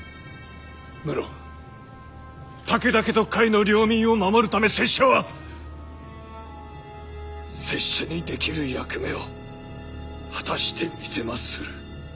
無論武田家と甲斐の領民を守るため拙者は拙者にできる役目を果たしてみせまする。